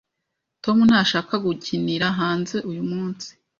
Tom ntashaka gukinira hanze uyumunsi.